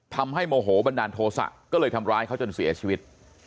โมโหบันดาลโทษะก็เลยทำร้ายเขาจนเสียชีวิต